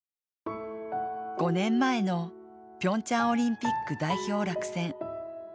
５年前のピョンチャンオリンピック代表落選。